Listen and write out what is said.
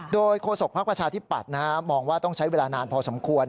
โดยโฆษกภักดิ์ประชาธิปัตย์มองว่าต้องใช้เวลานานพอสมควร